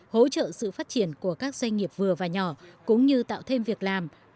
hỗ trợ sự phát triển của các doanh nghiệp vừa và nhỏ cũng như tạo thêm việc làm